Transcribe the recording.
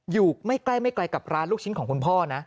อยู่ไม่ใกล้ไม่ไกลกับร้านลูกชิ้นของคุณพ่อนะ